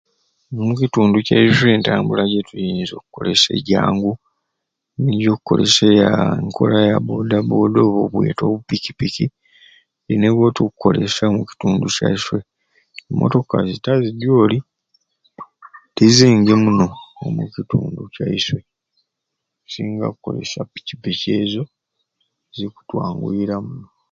Omu kitundu kyaiswe entambula gyetuyinza okukolesya egyangu niyo okukolesya enkola ya boda boda oba bwete bupiki piki nibo bwetukukolesya omu kitundu kyaiswe emotoka zita zidyoli tizingi muno omu kitundu kyaiswe tusinga kukolesya piki piki ezo zikutwanguyira muno